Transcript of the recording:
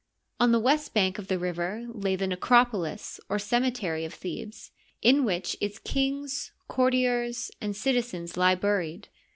On the west bank of the river lay the necropolis, or cemetery of Thebes, in which its kings, courtiers, and citizens lie buried.